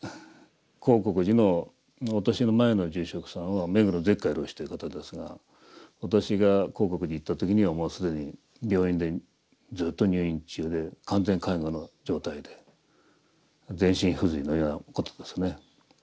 興国寺の私の前の住職さんは目黒絶海老師という方ですが私が興国寺行った時にはもう既に病院でずっと入院中で完全看護の状態で全身不随のようなことですね。